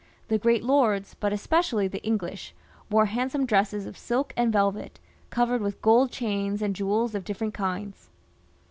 The great lords, but especially the English, wore handsome dresses of silk and velvet, covered with gold chains and jewels of different kinds.